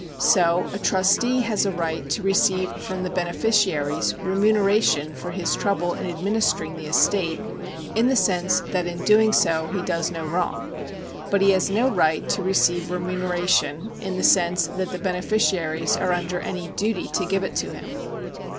So a trustee has a right to receive from the beneficiaries i emuneration for his trouble in administering the estate, in the sense that in doing so he does no wrong. But he has no right to receive I'emuneration, in the sense that the beneficiaries are under any duty to give it to him.